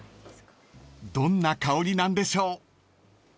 ［どんな香りなんでしょう］